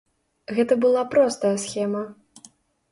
Гэта была простая схема.